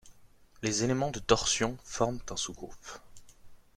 Les éléments de torsion forment un sous-groupe.